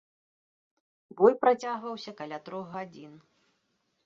Бой працягваўся каля трох гадзін.